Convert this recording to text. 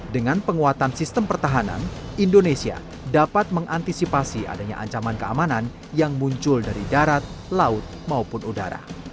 dengan penguatan sistem pertahanan indonesia dapat mengantisipasi adanya ancaman keamanan yang muncul dari darat laut maupun udara